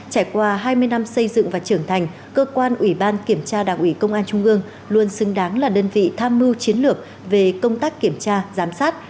trải qua hai mươi năm xây dựng và trưởng thành cơ quan ủy ban kiểm tra đảng ủy công an trung ương luôn xứng đáng là đơn vị tham mưu chiến lược về công tác kiểm tra giám sát